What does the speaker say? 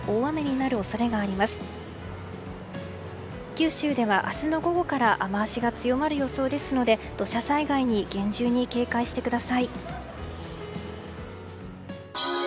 九州では明日の午後から雨脚が強まる予想ですので土砂災害に厳重に警戒してください。